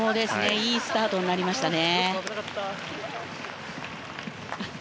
いいスタートになりましたね。